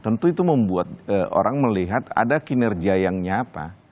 tentu itu membuat orang melihat ada kinerja yang nya apa